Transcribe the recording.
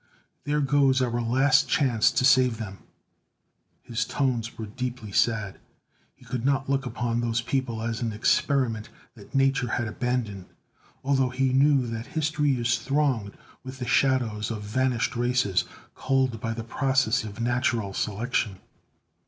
"There goes our last chance to save them!" His tones were deeply sad. He could not look upon these people as an experiment that Nature had abandoned, although he knew that history is thronged with the shadows of vanished races, culled by the process of natural selection.